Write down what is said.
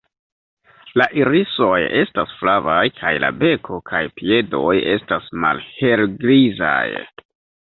La irisoj estas flavaj kaj la beko kaj piedoj estas malhelgrizaj.